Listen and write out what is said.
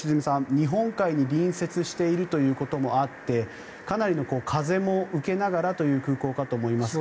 日本海に隣接していることもあってかなりの風も受けながらという空港かと思いますが。